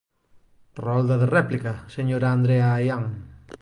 Rolda de réplica, señora Andrea Aián.